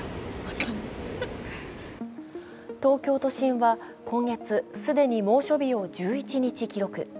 東京都心は、今月既に猛暑日を１１日記録。